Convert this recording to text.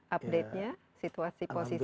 update nya situasi posisinya